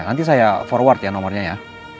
nanti saya forward ya nomornya ya